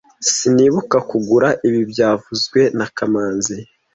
Sinibuka kugura ibi byavuzwe na kamanzi